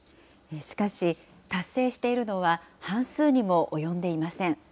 しかし、達成しているのは半数にも及んでいません。